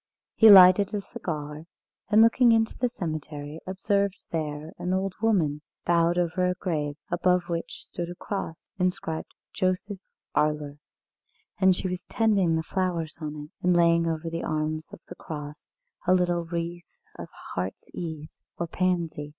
He lighted a cigar, and, looking into the cemetery, observed there an old woman, bowed over a grave, above which stood a cross, inscribed "Joseph Arler," and she was tending the flowers on it, and laying over the arms of the cross a little wreath of heart's ease or pansy.